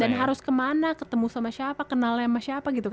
dan harus kemana ketemu sama siapa kenal sama siapa gitu